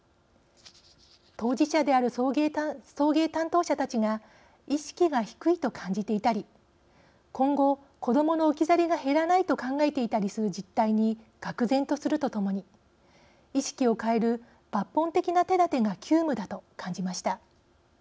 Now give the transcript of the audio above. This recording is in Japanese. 当事者である送迎担当者たちが意識が低いと感じていたり今後子どもの置き去りが減らないと考えていたりする実態にがく然とするとともに意識を変える抜本的な手だてが急務だと感じました。